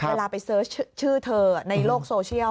เวลาไปเสิร์ชชื่อเธอในโลกโซเชียล